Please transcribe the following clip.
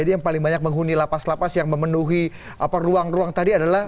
yang paling banyak menghuni lapas lapas yang memenuhi ruang ruang tadi adalah